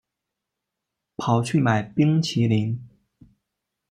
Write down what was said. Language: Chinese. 跑去买冰淇淋